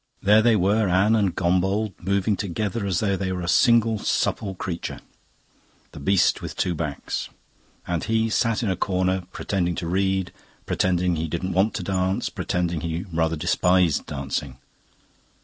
There they were, Anne and Gombauld, moving together as though they were a single supple creature. The beast with two backs. And he sat in a corner, pretending to read, pretending he didn't want to dance, pretending he rather despised dancing.